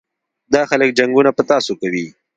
دا خلک جنګونه په تاسو کوي.